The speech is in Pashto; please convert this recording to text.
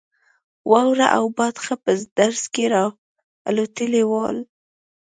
واوره او باد ښه په درز کې را الوتي ول.